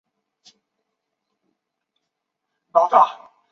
圣乔治是瑞士联邦西部法语区的沃州下设的一个镇。